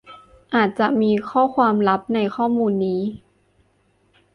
อาจจะมีข้อความลับในข้อมูลนี้